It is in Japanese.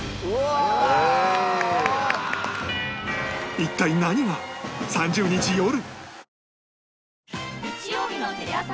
一体何が ！？３０ 日よる